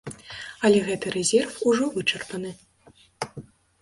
Але гэты рэзерв ужо вычарпаны.